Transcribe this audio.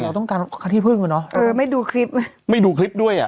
เราต้องการค่าที่พึ่งอ่ะเนอะเออไม่ดูคลิปไม่ดูคลิปด้วยอ่ะ